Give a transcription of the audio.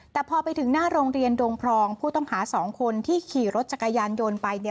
แต่พอไปถึงหน้าโรงเรียนดงพรองผู้ต้องหา๒คนที่ขี่รถจักรยานยนต์ไป